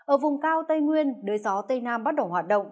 ở vùng cao tây nguyên đời gió tây nam bắt đầu hoạt động